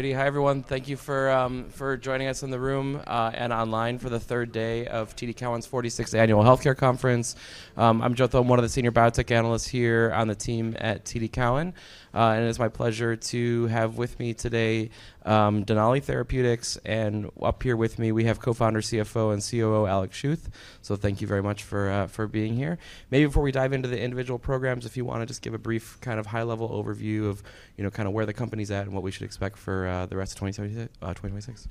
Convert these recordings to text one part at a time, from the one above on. All righty. Hi, everyone. Thank you for joining us in the room and online for the third day of TD Cowen's 46th Annual Healthcare Conference. I'm Joe Thome, one of the Senior Biotech analysts here on the team at TD Cowen. It's my pleasure to have with me today Denali Therapeutics, and up here with me, we have Co-founder, CFO, and COO, Alex Schuth. Thank you very much for being here. Maybe before we dive into the individual programs, if you wanna just give a brief kind of high-level overview of, you know, kinda where the company's at and what we should expect for the rest of 2026.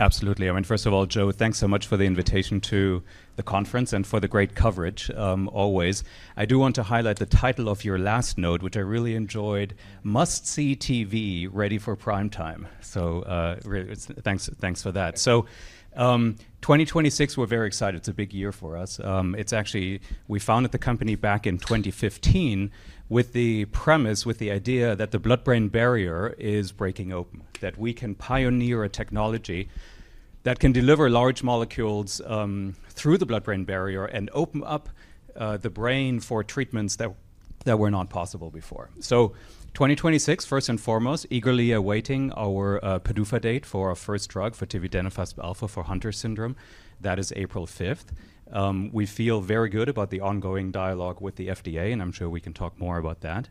Absolutely. I mean, first of all, Joe, thanks so much for the invitation to the conference and for the great coverage, always. I do want to highlight the title of your last note, which I really enjoyed, Must See TV Ready for Prime Time. thanks for that. 2026, we're very excited. It's a big year for us. It's actually, we founded the company back in 2015 with the premise, with the idea that the blood-brain barrier is breaking open, that we can pioneer a technology that can deliver large molecules through the blood-brain barrier and open up the brain for treatments that were not possible before. 2026, first and foremost, eagerly awaiting our PDUFA date for our first drug, for tividenofusp alfa for Hunter syndrome. That is April 5th. We feel very good about the ongoing dialogue with the FDA, and I'm sure we can talk more about that.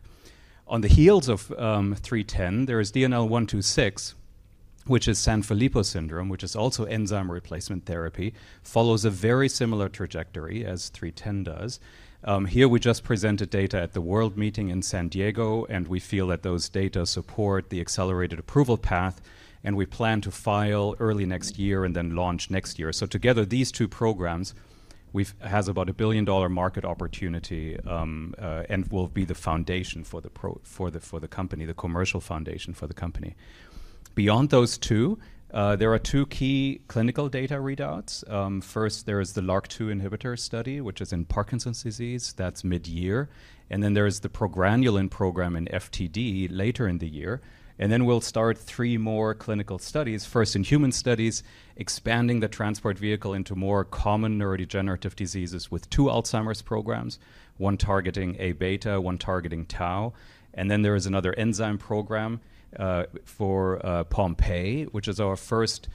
On the heels of DNL310, there is DNL126, which is Sanfilippo syndrome, which is also enzyme replacement therapy, follows a very similar trajectory as DNL310 does. Here we just presented data at the WORLD meeting in San Diego, and we feel that those data support the accelerated approval path, and we plan to file early next year and then launch next year. Together, these two programs has about a billion-dollar market opportunity and will be the foundation for the company, the commercial foundation for the company. Beyond those two, there are two key clinical data readouts. First, there is the LRRK2 inhibitor study, which is in Parkinson's disease. That's mid-year. There is the progranulin program in FTD later in the year. We'll start three more clinical studies, first in human studies, expanding the Transport Vehicle into more common neurodegenerative diseases with two Alzheimer's programs, one targeting A-beta, one targeting tau. There is another enzyme program for Pompe, which is our first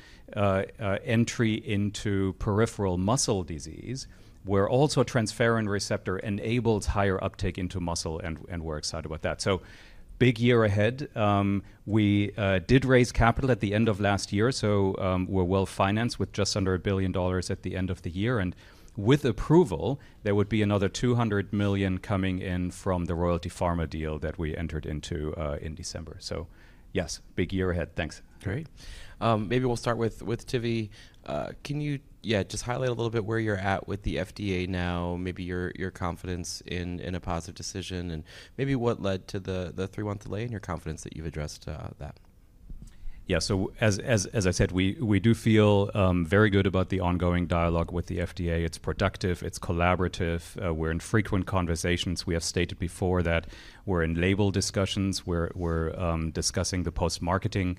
entry into peripheral muscle disease, where also transferrin receptor enables higher uptake into muscle, and we're excited about that. Big year ahead. We did raise capital at the end of last year, we're well-financed with just under $1 billion at the end of the year. With approval, there would be another $200 million coming in from the Royalty Pharma deal that we entered into in December. Yes, big year ahead. Thanks. Great. Maybe we'll start with Tivi. Can you, yeah, just highlight a little bit where you're at with the FDA now, maybe your confidence in a positive decision, and maybe what led to the three-month delay and your confidence that you've addressed, that? As I said, we do feel very good about the ongoing dialogue with the FDA. It's productive. It's collaborative. We're in frequent conversations. We have stated before that we're in label discussions. We're discussing the post-marketing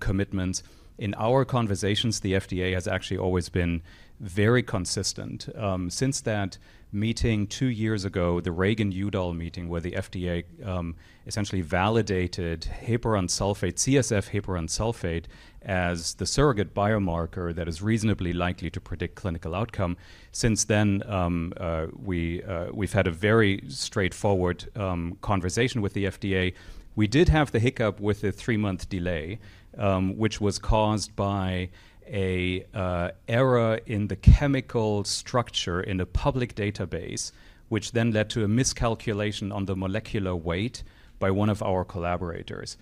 commitments. In our conversations, the FDA has actually always been very consistent. Since that meeting two years ago, the Reagan-Udall meeting, where the FDA essentially validated heparan sulfate, CSF heparan sulfate, as the surrogate biomarker that is reasonably likely to predict clinical outcome. Since then, we've had a very straightforward conversation with the FDA. We did have the hiccup with the three-month delay, which was caused by a error in the chemical structure in a public database, which then led to a miscalculation on the molecular weight by 1 of our collaborators.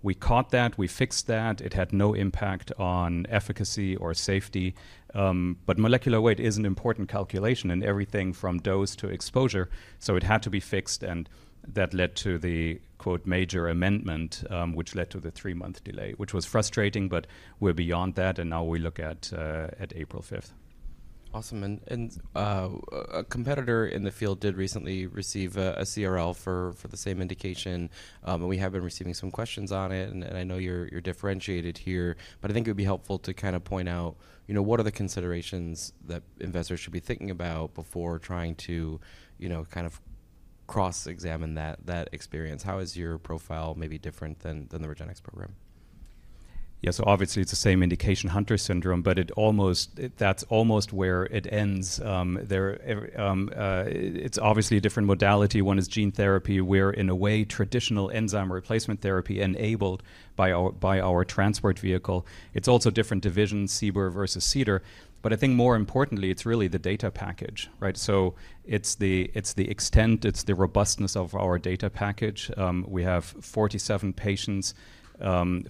We caught that. We fixed that. It had no impact on efficacy or safety. Molecular weight is an important calculation in everything from dose to exposure, so it had to be fixed, and that led to the, quote, "major amendment," which led to the three-month delay, which was frustrating, but we're beyond that, and now we look at April 5th. Awesome. A competitor in the field did recently receive a CRL for the same indication, and we have been receiving some questions on it. I know you're differentiated here, but I think it would be helpful to kind of point out, you know, what are the considerations that investors should be thinking about before trying to, you know, kind of cross-examine that experience. How is your profile maybe different than the REGENXBIO program? Yeah. Obviously, it's the same indication Hunter syndrome, but that's almost where it ends. There, it's obviously a different modality. One is gene therapy. We're, in a way, traditional enzyme replacement therapy enabled by our Transport Vehicle. It's also different divisions, CBER versus CDER. I think more importantly, it's really the data package, right? It's the, it's the extent, it's the robustness of our data package. We have 47 patients,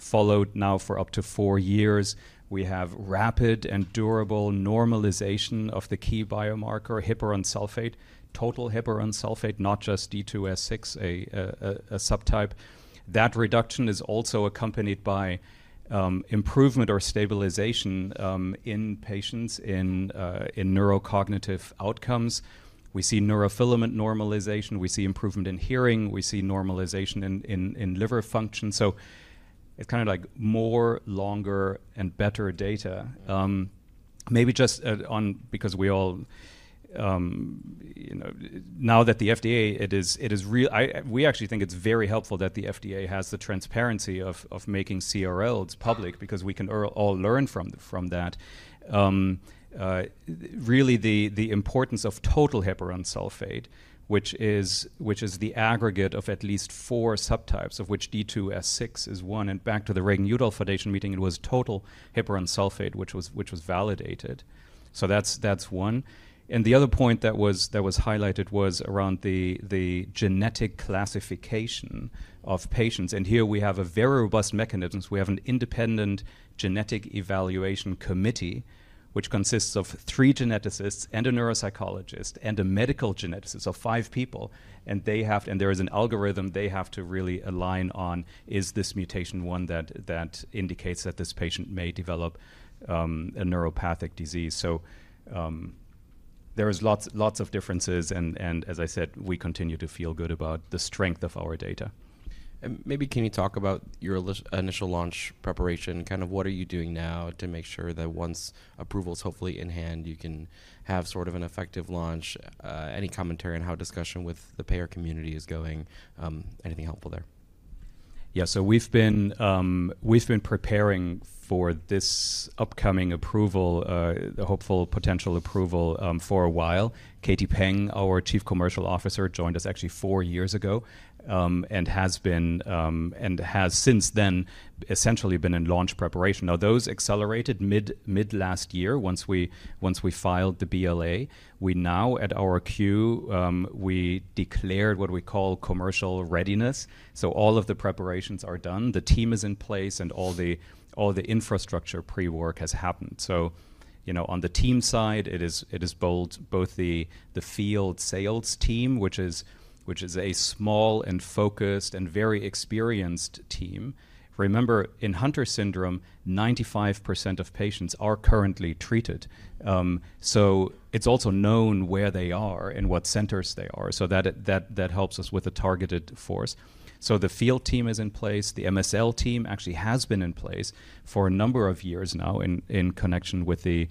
followed now for up to four years. We have rapid and durable normalization of the key biomarker, heparan sulfate, total heparan sulfate, not just D2S6, a subtype. That reduction is also accompanied by improvement or stabilization in patients in neurocognitive outcomes. We see neurofilament normalization. We see improvement in hearing. We see normalization in liver function. It's kind of like more, longer, and better data. Maybe just because we all, you know. Now that the FDA, it is real. I, we actually think it's very helpful that the FDA has the transparency of making CRLs public because we can all learn from that. Really the importance of total heparan sulfate, which is the aggregate of at least four subtypes, of which D2S6 is one. Back to the Reagan-Udall Foundation meeting, it was total heparan sulfate, which was validated. That's one. The other point that was highlighted was around the genetic classification of patients. Here we have a very robust mechanisms. We have an independent genetic evaluation committee which consists of three geneticists and a neuropsychologist and a medical geneticist, so five people. There is an algorithm they have to really align on, is this mutation one that indicates that this patient may develop a neuropathic disease. There is lots of differences and as I said, we continue to feel good about the strength of our data. Maybe can you talk about your initial launch preparation, kind of what are you doing now to make sure that once approval's hopefully in hand, you can have sort of an effective launch? Any commentary on how discussion with the payer community is going? Anything helpful there? We've been preparing for this upcoming approval, the hopeful potential approval for a while. Katie Peng, our Chief Commercial Officer, joined us actually four years ago and has since then essentially been in launch preparation. Those accelerated mid last year once we filed the BLA. We now at our queue, we declared what we call commercial readiness, all of the preparations are done. The team is in place and all the infrastructure pre-work has happened. You know, on the team side, it is bold, both the field sales team, which is a small and focused and very experienced team. Remember, in Hunter syndrome, 95% of patients are currently treated. It's also known where they are and what centers they are. That helps us with a targeted force. The field team is in place. The MSL team actually has been in place for a number of years now in connection with the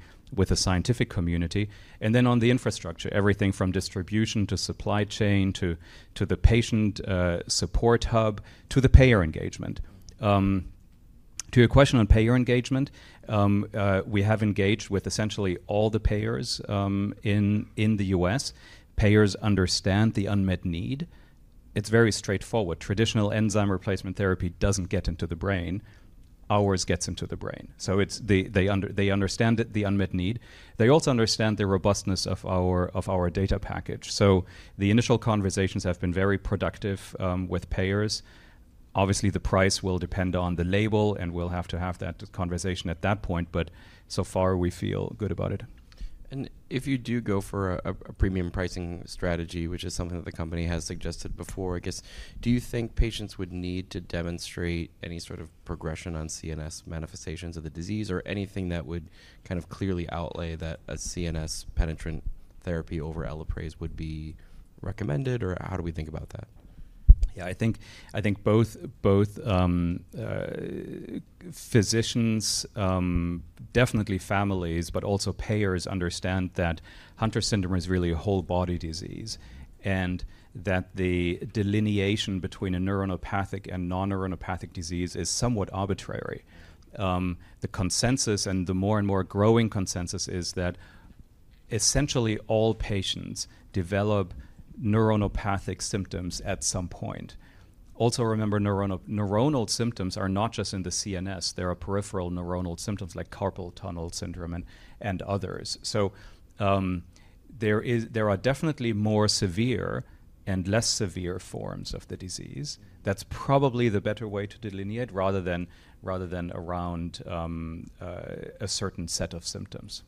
scientific community. On the infrastructure, everything from distribution to supply chain to the patient support hub to the payer engagement. To your question on payer engagement, we have engaged with essentially all the payers in the US Payers understand the unmet need. It's very straightforward. Traditional enzyme replacement therapy doesn't get into the brain. Ours gets into the brain. They understand it, the unmet need. They also understand the robustness of our data package. The initial conversations have been very productive with payers. Obviously, the price will depend on the label, and we'll have to have that conversation at that point. So far, we feel good about it. If you do go for a premium pricing strategy, which is something that the company has suggested before, I guess, do you think patients would need to demonstrate any sort of progression on CNS manifestations of the disease or anything that would kind of clearly outlay that a CNS penetrant therapy over Elaprase would be recommended? Or how do we think about that? I think both physicians, definitely families, but also payers understand that Hunter syndrome is really a whole body disease, and that the delineation between a neuronopathic and non-neuronopathic disease is somewhat arbitrary. The consensus and the more and more growing consensus is that essentially all patients develop neuronopathic symptoms at some point. Remember neuronal symptoms are not just in the CNS. There are peripheral neuronal symptoms like carpal tunnel syndrome and others. There are definitely more severe and less severe forms of the disease. That's probably the better way to delineate rather than around a certain set of symptoms.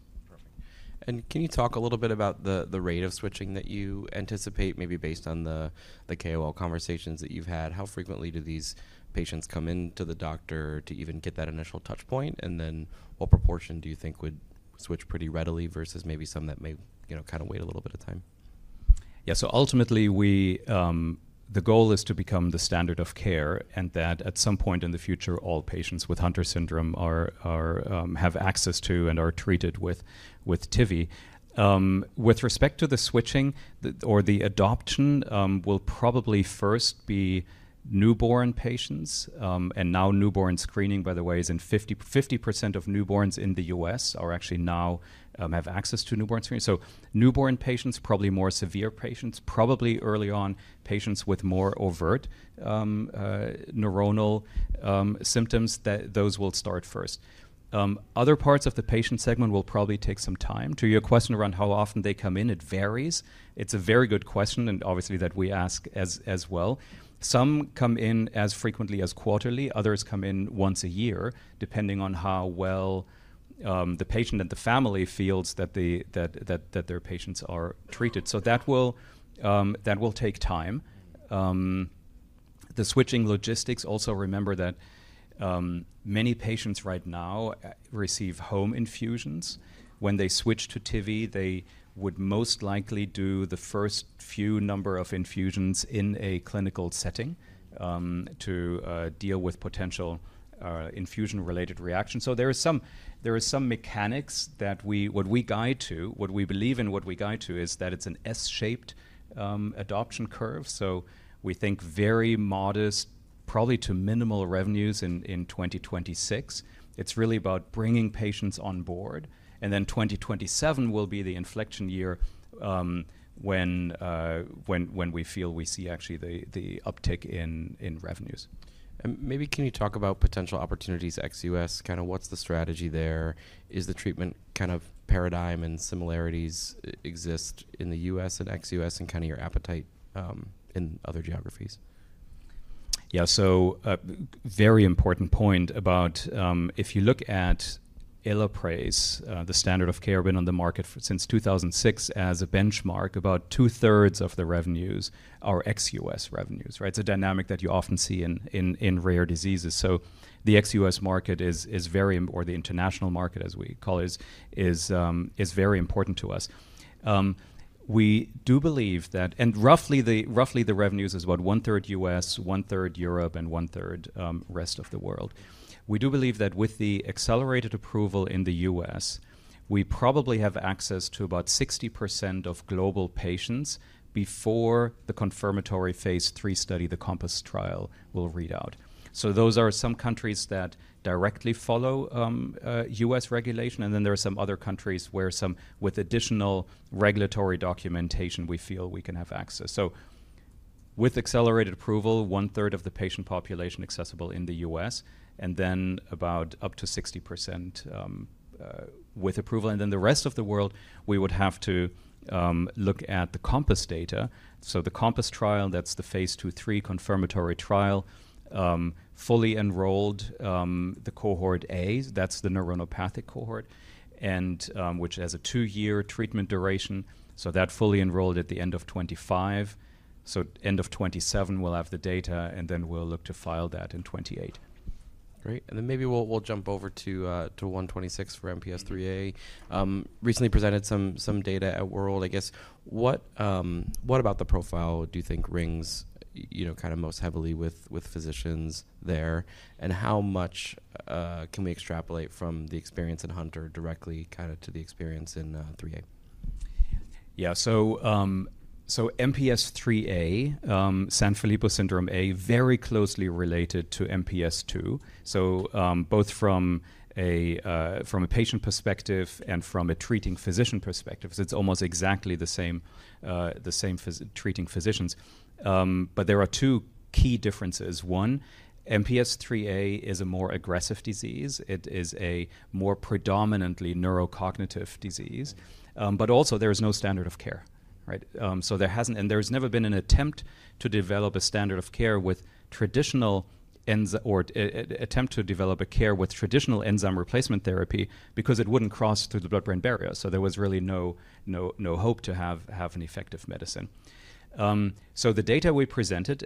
Perfect. Can you talk a little bit about the rate of switching that you anticipate, maybe based on the KOL conversations that you've had? How frequently do these patients come in to the doctor to even get that initial touch point? What proportion do you think would switch pretty readily versus maybe some that may, you know, kind of wait a little bit of time? Yeah. Ultimately, we, the goal is to become the standard of care and that at some point in the future, all patients with Hunter syndrome are have access to and are treated with Tivi. With respect to the switching, or the adoption, will probably first be newborn patients. Now newborn screening, by the way, is in 50% of newborns in the US are actually now have access to newborn screening. Newborn patients, probably more severe patients, probably early on patients with more overt neuronal symptoms, that those will start first. Other parts of the patient segment will probably take some time. To your question around how often they come in, it varies. It's a very good question and obviously that we ask as well. Some come in as frequently as quarterly. Others come in once a year, depending on how well, the patient and the family feels that their patients are treated. That will take time. The switching logistics also remember that many patients right now receive home infusions. When they switch to Tivi, they would most likely do the first few number of infusions in a clinical setting, to deal with potential infusion-related reactions. There is some mechanics what we believe and what we guide to is that it's an S-shaped adoption curve. We think very modest probably to minimal revenues in 2026. It's really about bringing patients on board. 2027 will be the inflection year, when we feel we see actually the uptick in revenues. Maybe can you talk about potential opportunities ex-US? Kinda what's the strategy there? Is the treatment kind of paradigm and similarities exist in the US and ex-US and Kinda your appetite in other geographies? Very important point about if you look at Elaprase, the standard of care been on the market for since 2006 as a benchmark, about two-thirds of the revenues are ex US revenues, right? It's a dynamic that you often see in rare diseases. The ex US market is very important or the international market, as we call it, is very important to us. We do believe that roughly the revenues is about 1/3 US, 1/3 Europe, and 1/3 rest of the world. We do believe that with the accelerated approval in the US, we probably have access to about 60% of global patients before the confirmatory phase III study, the COMPASS trial, will read out. Those are some countries that directly follow US regulation, and then there are some other countries where some with additional regulatory documentation we feel we can have access. With accelerated approval, 1/3 of the patient population accessible in the US and then about up to 60% with approval. Then the rest of the world, we would have to look at the COMPASS data. The COMPASS trial, that's the Phase II/III confirmatory trial, fully enrolled the cohort A, that's the neuronopathic cohort, and which has a two-year treatment duration. That fully enrolled at the end of 2025. End of 2027 we'll have the data, and then we'll look to file that in 2028. Great. Then maybe we'll jump over to DNL126 for MPS IIIA. Recently presented some data at WORLD. I guess, what about the profile do you think rings, you know, kind of most heavily with physicians there? How much can we extrapolate from the experience in Hunter directly kind of to the experience in IIIA? MPS IIIA, Sanfilippo syndrome A, very closely related to MPS II. Both from a patient perspective and from a treating physician perspective, 'cause it's almost exactly the same treating physicians. There are two key differences. One, MPS IIIA is a more aggressive disease. It is a more predominantly neurocognitive disease. Also there is no standard of care, right? There hasn't. There's never been an attempt to develop a standard of care with traditional enzyme replacement therapy because it wouldn't cross through the blood-brain barrier. There was really no hope to have an effective medicine. The data we presented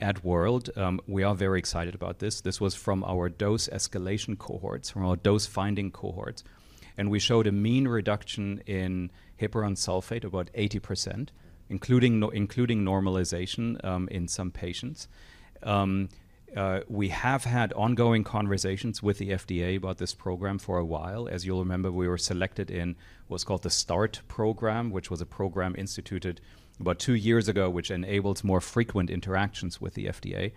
at WORLD, we are very excited about this. This was from our dose escalation cohorts, from our dose finding cohorts. We showed a mean reduction in heparan sulfate, about 80%, including normalization in some patients. We have had ongoing conversations with the FDA about this program for a while. As you'll remember, we were selected in what's called the START program, which was a program instituted about two years ago, which enables more frequent interactions with the FDA.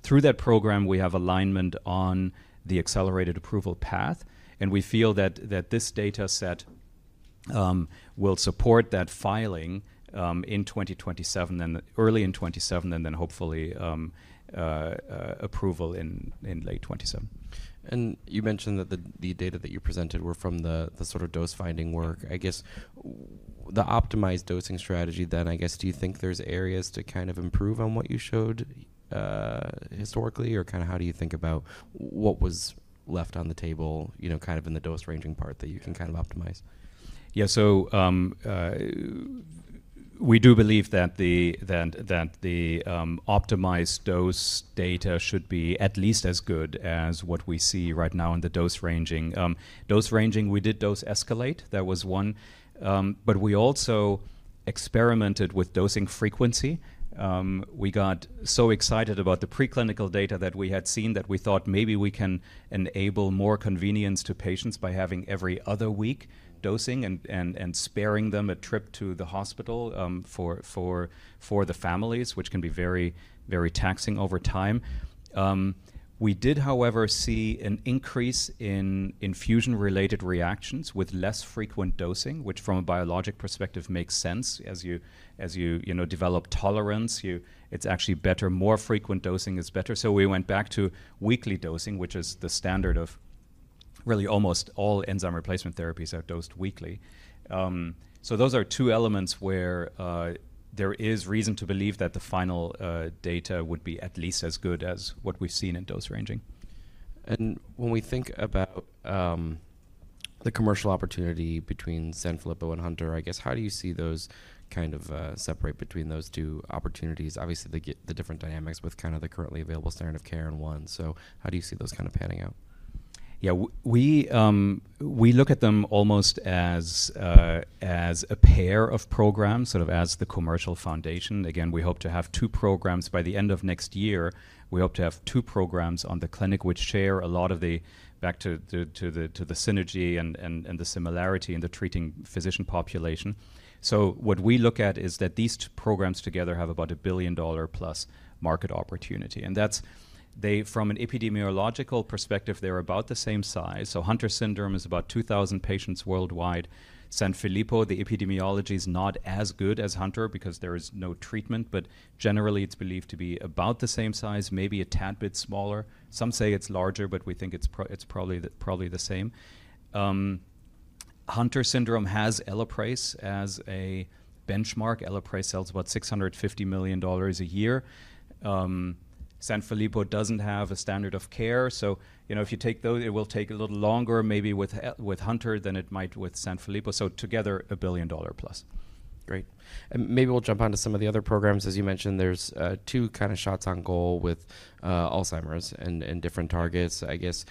Through that program, we have alignment on the accelerated approval path, and we feel that this data set will support that filing in 2027, and early in 2027 and then hopefully approval in late 2027. You mentioned that the data that you presented were from the sort of dose-finding work. I guess the optimized dosing strategy then, I guess, do you think there's areas to kind of improve on what you showed historically, or kinda how do you think about what was left on the table, you know, kind of in the dose-ranging part that you can kind of optimize? We do believe that the optimized dose data should be at least as good as what we see right now in the dose ranging. Dose ranging, we did dose escalate. That was one. We also experimented with dosing frequency. We got so excited about the preclinical data that we had seen that we thought maybe we can enable more convenience to patients by having every other week dosing and sparing them a trip to the hospital for the families, which can be very taxing over time. We did, however, see an increase in infusion-related reactions with less frequent dosing, which from a biologic perspective makes sense. As you know, develop tolerance, it's actually better, more frequent dosing is better. We went back to weekly dosing, which is the standard of really almost all enzyme replacement therapies are dosed weekly. Those are two elements where there is reason to believe that the final data would be at least as good as what we've seen in dose ranging. When we think about the commercial opportunity between Sanfilippo and Hunter, I guess, how do you see those kind of separate between those two opportunities? Obviously, they get the different dynamics with kind of the currently available standard of care in one. How do you see those kind of panning out? Yeah, we look at them almost as a pair of programs, sort of as the commercial foundation. Again, we hope to have two programs by the end of next year. We hope to have two programs on the clinic which share a lot of the synergy and the similarity in the treating physician population. What we look at is that these two programs together have about a $1 billion-plus market opportunity, from an epidemiological perspective, they're about the same size. Hunter syndrome is about 2,000 patients worldwide. Sanfilippo, the epidemiology is not as good as Hunter because there is no treatment, but generally, it's believed to be about the same size, maybe a tad bit smaller. Some say it's larger, but we think it's probably the same. Hunter syndrome has Elaprase as a benchmark. Elaprase sells about $650 million a year. Sanfilippo doesn't have a standard of care, you know, if you take those, it will take a little longer maybe with Hunter than it might with Sanfilippo. Together, $1 billion plus. Great. Maybe we'll jump onto some of the other programs. As you mentioned, there's 2 kind of shots on goal with Alzheimer's and different targets. I guess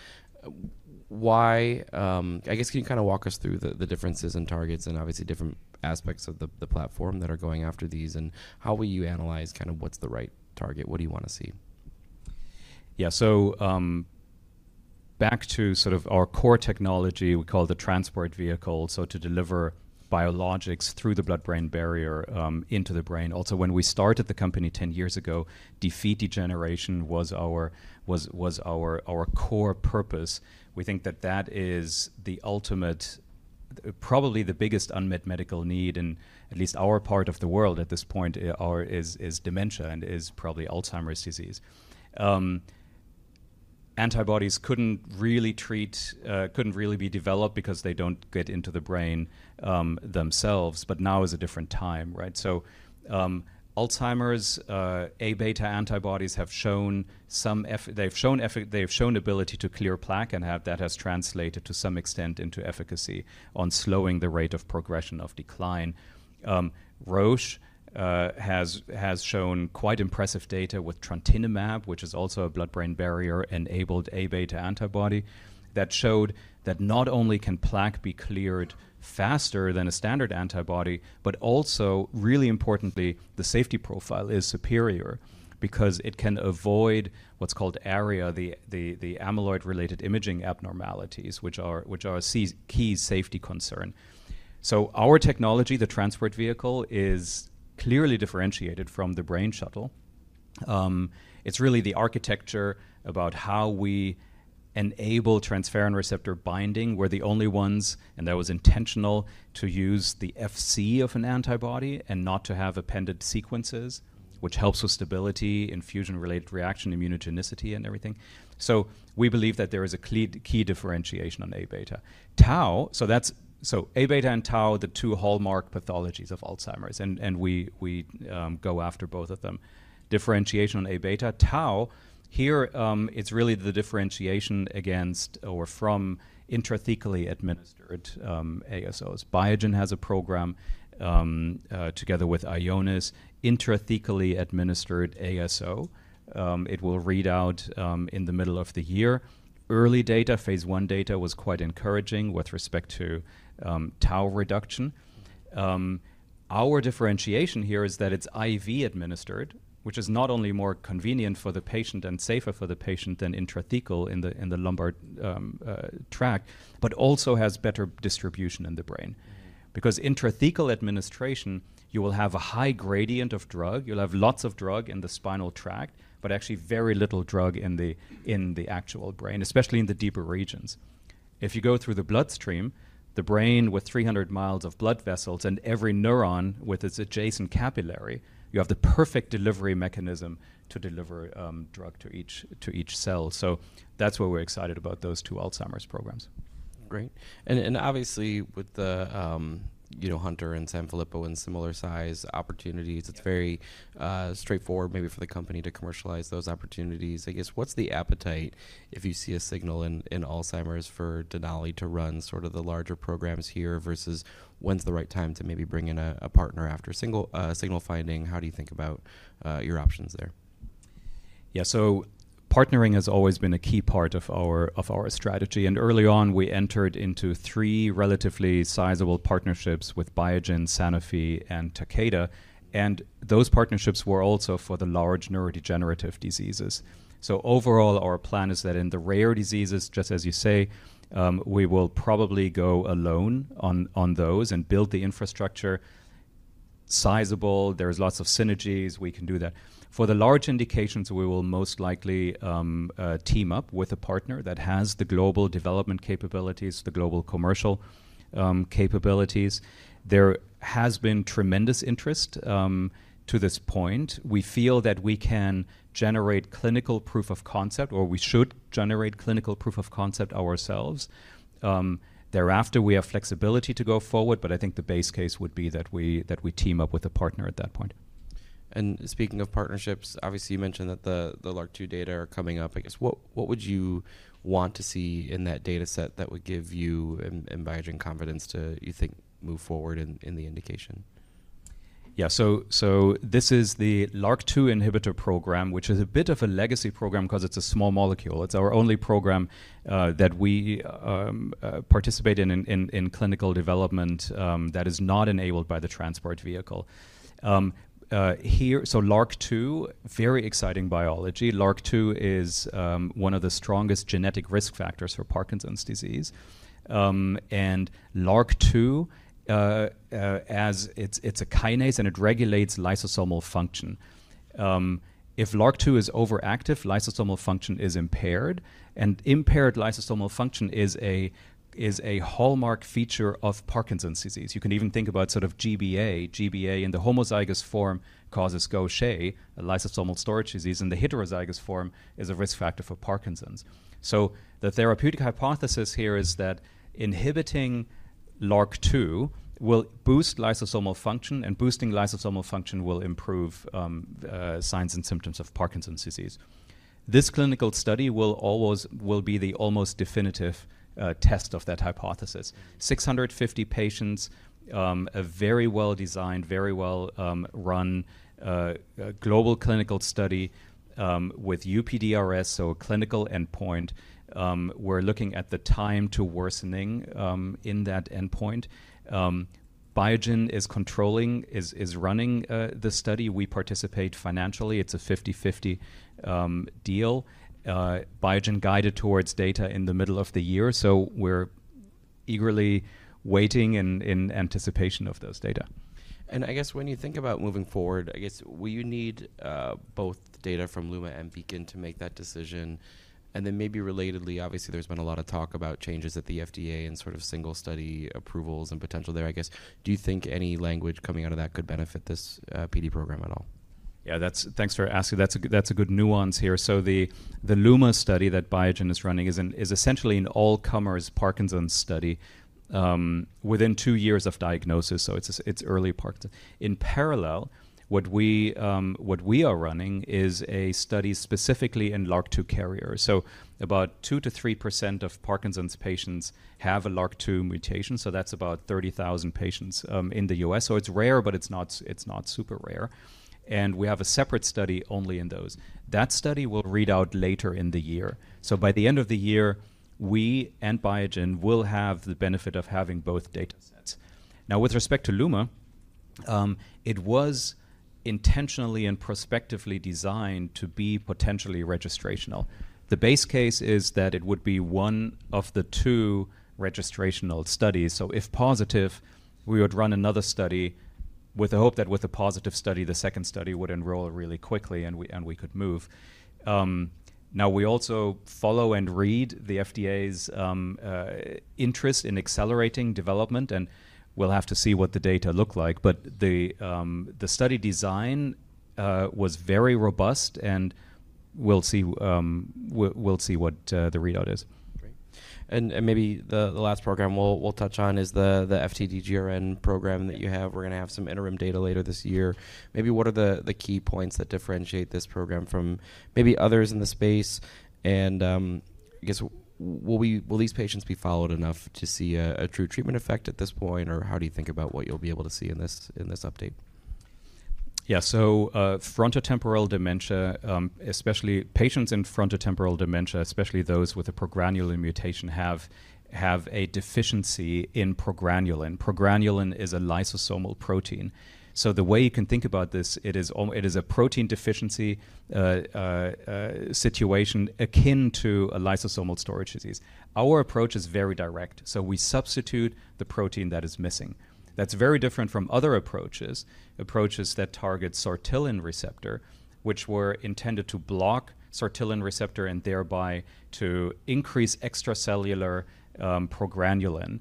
can you kind of walk us through the differences in targets and obviously different aspects of the platform that are going after these, and how will you analyze kind of what's the right target? What do you wanna see? Yeah. Back to sort of our core technology, we call the Transport Vehicle, to deliver biologics through the blood-brain barrier into the brain. Also, when we started the company 10 years ago, defeat degeneration was our core purpose. We think that that is the ultimate, probably the biggest unmet medical need in at least our part of the world at this point is dementia and is probably Alzheimer's disease. Antibodies couldn't really treat, couldn't really be developed because they don't get into the brain themselves, but now is a different time, right? Alzheimer's Aβ antibodies have shown ability to clear plaque, and that has translated to some extent into efficacy on slowing the rate of progression of decline. Roche has shown quite impressive data with trontinemab, which is also a blood-brain barrier-enabled Aβ antibody that showed that not only can plaque be cleared faster than a standard antibody, but also, really importantly, the safety profile is superior because it can avoid what's called ARIA, the amyloid-related imaging abnormalities, which are a key safety concern. Our technology, the Transport Vehicle, is clearly differentiated from the Brainshuttle. It's really the architecture about how we enable transferrin receptor binding. We're the only ones, and that was intentional, to use the Fc of an antibody and not to have appended sequences, which helps with stability in fusion-related reaction immunogenicity and everything. We believe that there is a key differentiation on Aβ. Aβ and Tau are the two hallmark pathologies of Alzheimer's, and we go after both of them. Differentiation on Aβ. Tau, here, it's really the differentiation against or from intrathecally administered ASOs. Biogen has a program together with Ionis, intrathecally administered ASO. It will read out in the middle of the year. Early data, phase 1 data, was quite encouraging with respect to Tau reduction. Our differentiation here is that it's IV administered, which is not only more convenient for the patient and safer for the patient than intrathecal in the lumbar tract, but also has better distribution in the brain. Because intrathecal administration, you will have a high gradient of drug. You'll have lots of drug in the spinal tract, but actually very little drug in the, in the actual brain, especially in the deeper regions. If you go through the bloodstream, the brain with 300 miles of blood vessels and every neuron with its adjacent capillary, you have the perfect delivery mechanism to deliver drug to each, to each cell. That's why we're excited about those two Alzheimer's programs. Great. Obviously, with the, you know, Hunter and Sanfilippo and similar size opportunities, it's very straightforward maybe for the company to commercialize those opportunities. I guess, what's the appetite if you see a signal in Alzheimer's for Denali to run sort of the larger programs here versus when's the right time to maybe bring in a partner after signal finding? How do you think about your options there? Partnering has always been a key part of our strategy. Early on, we entered into 3 relatively sizable partnerships with Biogen, Sanofi, and Takeda. Those partnerships were also for the large neurodegenerative diseases. Overall, our plan is that in the rare diseases, just as you say, we will probably go alone on those and build the infrastructure sizable. There's lots of synergies. We can do that. For the large indications, we will most likely team up with a partner that has the global development capabilities, the global commercial capabilities. There has been tremendous interest to this point. We feel that we can generate clinical proof of concept, or we should generate clinical proof of concept ourselves. Thereafter, we have flexibility to go forward, but I think the base case would be that we team up with a partner at that point. Speaking of partnerships, obviously, you mentioned that the LRRK2 data are coming up. I guess, what would you want to see in that data set that would give you and Biogen confidence to, you think, move forward in the indication? Yeah, this is the LRRK2 inhibitor program, which is a bit of a legacy program 'cause it's a small molecule. It's our only program that we participate in clinical development that is not enabled by the Transport Vehicle. LRRK2, very exciting biology. LRRK2 is one of the strongest genetic risk factors for Parkinson's disease. LRRK2 as it's a kinase and it regulates lysosomal function. If LRRK2 is overactive, lysosomal function is impaired, and impaired lysosomal function is a hallmark feature of Parkinson's disease. You can even think about sort of GBA. GBA in the homozygous form causes Gaucher disease, a lysosomal storage disease, and the heterozygous form is a risk factor for Parkinson's. The therapeutic hypothesis here is that inhibiting LRRK2 will boost lysosomal function, and boosting lysosomal function will improve signs and symptoms of Parkinson's disease. This clinical study will be the almost definitive test of that hypothesis. 650 patients, a very well-designed, very well run global clinical study with UPDRS, so a clinical endpoint. We're looking at the time to worsening in that endpoint. Biogen is controlling, is running the study. We participate financially. It's a 50/50 deal. Biogen guided towards data in the middle of the year, so we're eagerly waiting in anticipation of those data. I guess when you think about moving forward, I guess will you need both the data from LUMA and BEACON to make that decision? Maybe relatedly, obviously, there's been a lot of talk about changes at the FDA and sort of single study approvals and potential there, I guess. Do you think any language coming out of that could benefit this PD program at all? Yeah. Thanks for asking. That's a good nuance here. The LUMA study that Biogen is running is essentially an all-comers Parkinson's study within two years of diagnosis, so it's early Parkinson's. In parallel, what we are running is a study specifically in LRRK2 carriers. About 2% to 3% of Parkinson's patients have a LRRK2 mutation, so that's about 30,000 patients in the US It's rare, but it's not super rare. We have a separate study only in those. That study will read out later in the year. By the end of the year, we and Biogen will have the benefit of having both datasets. Now, with respect to LUMA, it was intentionally and prospectively designed to be potentially registrational. The base case is that it would be one of the two registrational studies. If positive, we would run another study with the hope that with a positive study, the second study would enroll really quickly and we, and we could move. Now we also follow and read the FDA's interest in accelerating development, and we'll have to see what the data look like. The, the study design was very robust, and we'll see, we'll see what the readout is. Great. Maybe the last program we'll touch on is the FTD-GRN program that you have. We're gonna have some interim data later this year. Maybe what are the key points that differentiate this program from maybe others in the space? I guess will these patients be followed enough to see a true treatment effect at this point, or how do you think about what you'll be able to see in this, in this update? Yeah. Frontotemporal dementia, especially patients in frontotemporal dementia, especially those with a progranulin mutation, have a deficiency in progranulin. Progranulin is a lysosomal protein. The way you can think about this, it is a protein deficiency situation akin to a lysosomal storage disease. Our approach is very direct, so we substitute the protein that is missing. That's very different from other approaches that target sortilin receptor, which were intended to block sortilin receptor and thereby to increase extracellular progranulin.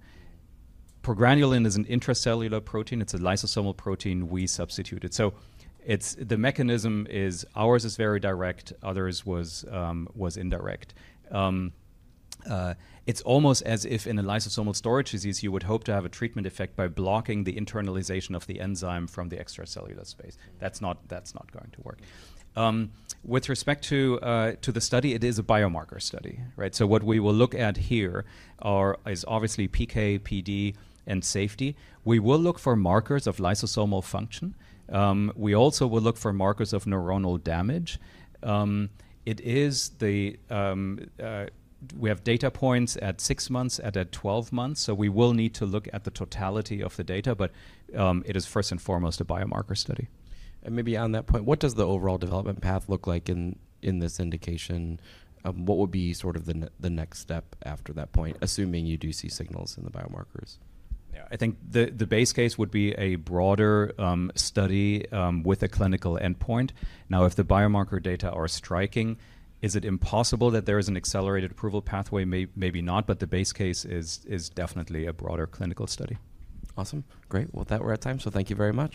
Progranulin is an intracellular protein. It's a lysosomal protein we substituted. The mechanism is ours is very direct, others was indirect. It's almost as if in a lysosomal storage disease you would hope to have a treatment effect by blocking the internalization of the enzyme from the extracellular space. That's not going to work. With respect to the study, it is a biomarker study, right? What we will look at here is obviously PK, PD, and safety. We will look for markers of lysosomal function. We also will look for markers of neuronal damage. It is the... We have data points at 6 months and at 12 months, so we will need to look at the totality of the data, but it is first and foremost a biomarker study. Maybe on that point, what does the overall development path look like in this indication? What would be sort of the next step after that point, assuming you do see signals in the biomarkers? Yeah. I think the base case would be a broader study with a clinical endpoint. Now, if the biomarker data are striking, is it impossible that there is an accelerated approval pathway? Maybe not, but the base case is definitely a broader clinical study. Awesome. Great. Well, with that, we're out of time. Thank you very much.